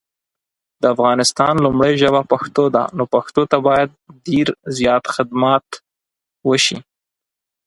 د افغانستان لومړی ژبه پښتو ده نو پښتو ته باید دیر زیات خدمات وشي